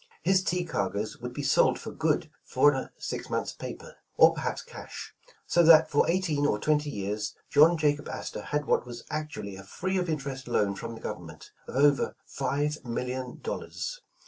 His tea cargoes would be sold for good four and six months' paper, or perhaps cash; so that for eighteen or twenty years, John Jacob Astor had what was actually a free of interest loan from the government, of over five million dollars.